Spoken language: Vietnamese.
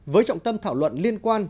với trọng tâm thảo luận liên quan